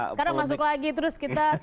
sekarang masuk lagi terus kita